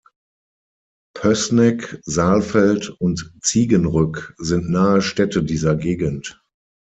Pößneck, Saalfeld und Ziegenrück sind nahe Städte dieser Gegend.